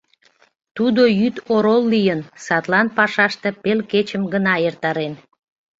Тудо йӱд орол лийын, садлан пашаште пел кечым гына эртарен.